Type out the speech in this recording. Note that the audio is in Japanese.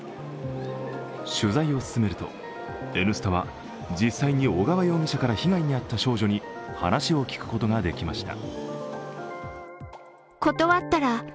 取材をすすめると、「Ｎスタ」は、実際に小川容疑者から被害に遭った少女に話を聞くことができました。